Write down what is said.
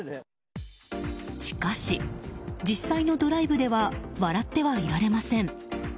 しかし、実際のドライブでは笑ってはいられません。